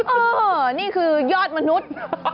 เออนี่คือยอดมนุษย์